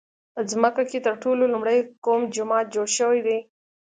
په ځمکه کې تر ټولو لومړی کوم جومات جوړ شوی دی؟